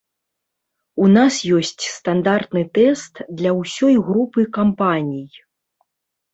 У нас ёсць стандартны тэст для ўсёй групы кампаній.